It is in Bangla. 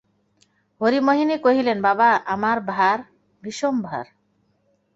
হরিমোহিনী কহিলেন, বাবা, আমার ভার বিষম ভার।